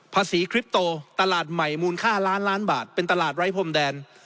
คริปโตตลาดใหม่มูลค่าล้านล้านบาทเป็นตลาดไร้พรมแดน